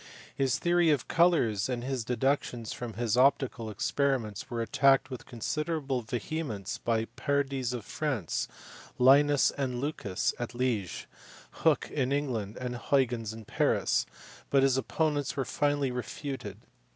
His theory of colours and his deductions from his optical experiments were attacked with considerable vehemence by Pardies in France, Linus and Lucas at Liege, Hooke in England, and Huygens in Paris ; but his opponents were finally refuted.